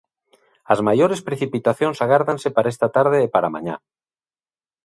As maiores precipitacións agárdanse para esta tarde e para mañá.